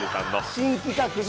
新企画の。